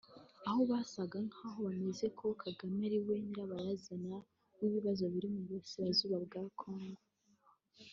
Aho basaga nk’aho bemeza ko Kagame ariwe nyirabayazana w’ibibazo biri mu burasirazuba bwa Congo